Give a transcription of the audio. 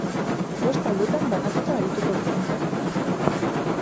Bost taldetan banatuta arituko dira.